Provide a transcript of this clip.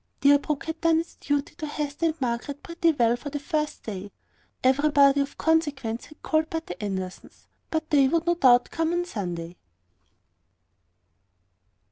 Deerbrook had done its duty to Hester and Margaret pretty well for the first day. Everybody of consequence had called but the Andersons, and they would no doubt come on Sunday.